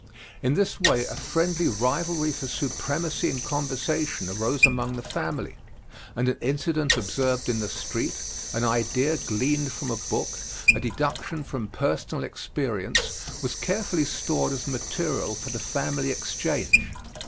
In this way a friendly rivalry for supremacy in conversation arose among the family, and an incident observed in the street, an idea gleaned from a book, a deduction from personal experience, was carefully stored as material for the family exchange.